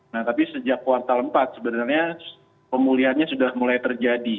nah tapi sejak kuartal empat sebenarnya pemulihannya sudah mulai terjadi